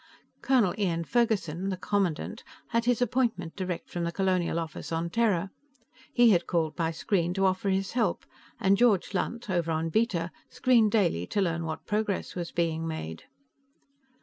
Colonel Ian Ferguson, the commandant, had his appointment direct from the Colonial Office on Terra. He had called by screen to offer his help, and George Lunt, over on Beta, screened daily to learn what progress was being made.